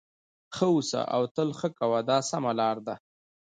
ښه اوسه او تل ښه کوه دا سمه لار ده.